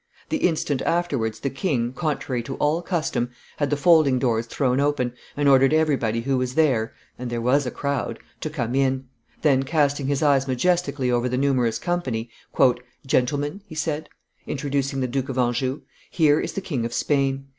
The instant afterwards the king, contrary to all custom, had the folding doors thrown open, and ordered everybody who was there and there was a crowd to come in; then, casting his eyes majestically over the numerous company, "Gentlemen," he said, introducing the Duke of Anjou, "here is the King of Spain.